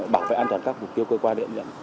bảo vệ an toàn các mục tiêu cơ quan liên lạc